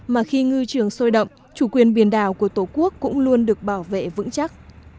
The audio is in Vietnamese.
mà khi ngư trường sôi động chủ quyền biển đảo của tổ quốc cũng luôn được bảo vệ vững chắc